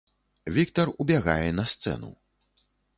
Віктар убягае на сцэну.